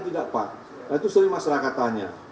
tidak pas nah itu sering masyarakat tanya